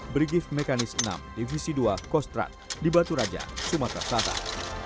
brigif mekanis enam divisi dua kostrat di batu raja sumatera selatan